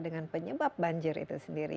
dengan penyebab banjir itu sendiri